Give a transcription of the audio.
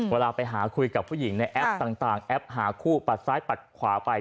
เวลาไปหาคุยกับผู้หญิงในแอปต่างแอปหาคู่ปัดซ้ายปัดขวาไป